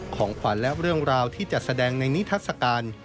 ของขวัญและเรื่องราวที่จัดแสดงในนิทัศกาล